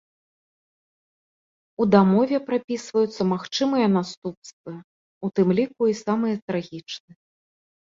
У дамове прапісваюцца магчымыя наступствы, у тым ліку і самыя трагічныя.